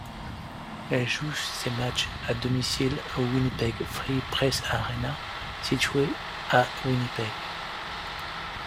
Elle joue ses matchs à domicile au Winnipeg Free Press Arena situé à Winnipeg.